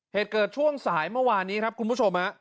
เหตุเกิดช่วงสายเมื่อวานนี้ครับคุณผู้ชม